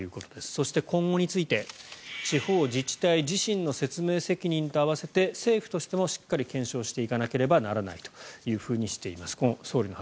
そして今後について地方自治体自身の説明責任と合わせて政府としてもしっかり検証していかなければならないとしています。